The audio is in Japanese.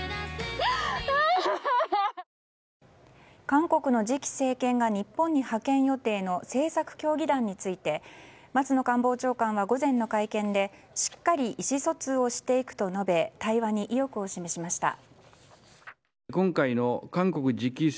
韓国の次期政権が日本に派遣予定の政策協議団について松野官房長官は午前の会見でしっかり意思疎通をしていくと述べ対話に意欲を示しました。